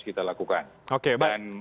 kita lakukan dan